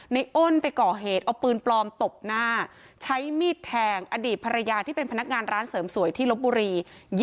อ้นไปก่อเหตุเอาปืนปลอมตบหน้าใช้มีดแทงอดีตภรรยาที่เป็นพนักงานร้านเสริมสวยที่ลบบุรี